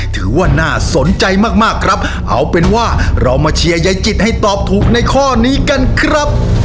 ถือว่าน่าสนใจมากมากครับเอาเป็นว่าเรามาเชียร์ยายจิตให้ตอบถูกในข้อนี้กันครับ